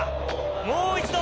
もう一度。